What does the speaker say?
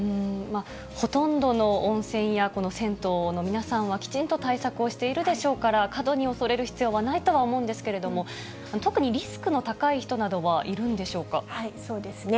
ほとんどの温泉や銭湯の皆さんは、きちんと対策をしているでしょうから、過度におそれる必要はないと思うんですけれども、特にリスクの高そうですね。